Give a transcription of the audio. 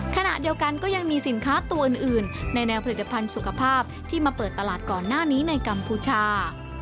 ขณะเดียวกันก็ยังมีสินค้าตัวอื่นในแนวผลิตภัณฑ์สุขภาพที่มาเปิดตลาดก่อนหน้านี้ในกัมพูชา